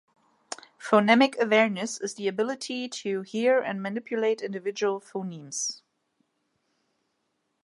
Phonemic awareness is the ability to hear and manipulate individual phonemes.